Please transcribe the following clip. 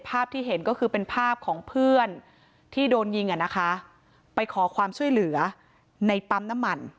ภาพที่เห็นก็คือเป็นภาพของเพื่อนที่โดนยิงอ่ะนะคะไปขอความช่วยเหลือในปั๊มน้ำมัน